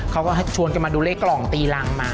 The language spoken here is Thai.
เขาก็ชวนกันมาดูเลขกล่องตีรังมา